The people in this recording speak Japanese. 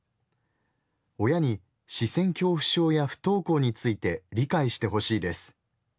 「親に視線恐怖症や不登校について理解して欲しいです。